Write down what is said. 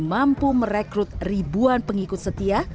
mampu merekrut ribuan pengikut setia